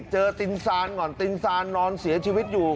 ตินซานก่อนตินซานนอนเสียชีวิตอยู่